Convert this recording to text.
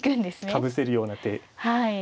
かぶせるような手。